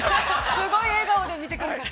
◆すごい笑顔で見てくるから。